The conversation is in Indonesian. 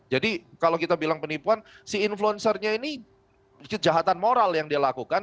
jadi kalau kita bilang penipuan si influencer nya ini kejahatan moral yang dia lakukan